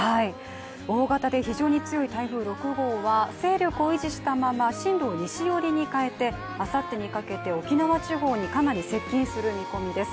大型で非常に強い台風６号は勢力を維持したまま進路を西寄りに変えて、あさってにかけて沖縄地方にかなり接近する見込みです。